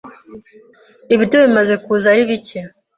Ibiryo bimaza kuza ari bicye